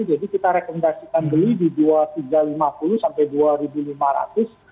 jadi kita rekomendasikan beli di dua ribu tiga ratus lima puluh sampai dua ribu lima ratus